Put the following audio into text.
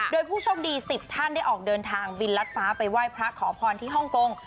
โดยผู้โชคดี๑๐ท่านได้ออกเดินทางบินรัดฟ้าไปไหว้พระขอพรที่ฮ่องกง